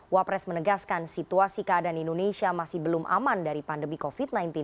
wapres menegaskan situasi keadaan indonesia masih belum aman dari pandemi covid sembilan belas